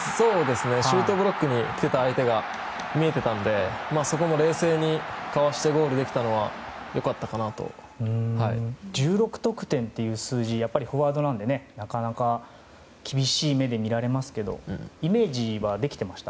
シュートブロックに来ていた相手が見えていたのでそこも冷静にかわしてゴールできたのは１６得点という数字はやっぱりフォワードなのでなかなか厳しい目で見られますけどイメージできてました？